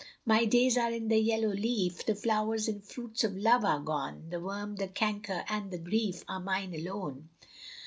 My days are in the yellow leaf; The flowers and fruits of love are gone: The worm, the canker, and the grief Are mine alone!